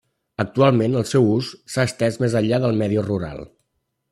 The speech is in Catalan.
Actualment el seu ús s'ha estès més enllà del medi rural.